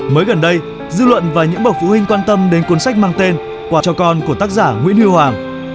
mới gần đây dư luận và những bậc phụ huynh quan tâm đến cuốn sách mang tên quà cho con của tác giả nguyễn huy hoàng